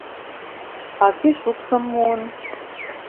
— А кӧ шукшым муын?